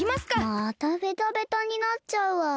またベタベタになっちゃうわ。